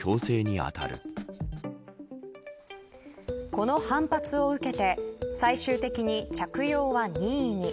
この反発を受けて最終的に着用は任意に。